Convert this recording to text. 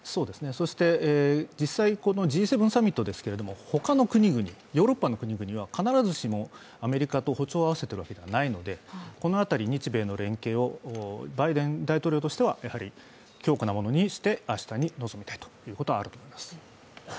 そして実際、Ｇ７サミットですけども、他の国々、ヨーロッパの国々は必ずしもアメリカと歩調を合わせているわけではないのでこの辺り、日米の連携をバイデン大統領としてはやはり強固なものにして明日に臨みたいというところはあると思います。